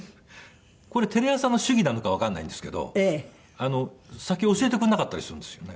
これテレ朝の主義なのかわかんないんですけど先教えてくれなかったりするんですよね。